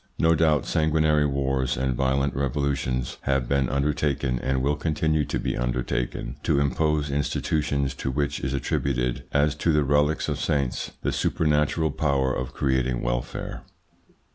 No doubt sanguinary wars and violent revolutions have been undertaken, and will continue to be undertaken, to impose institutions to which is attributed, as to the relics of saints, the supernatural power of creating welfare.